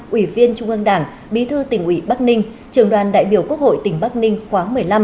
ủy viên trung ương đảng bí thư tỉnh ủy bắc ninh trường đoàn đại biểu quốc hội tỉnh bắc ninh khóa một mươi năm